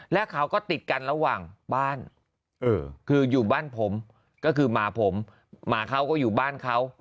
แล้วเขาก็ติดกันระหว่างบ้านคืออยู่บ้านผมก็คือหมาผมหมาเขาก็อยู่บ้านเขา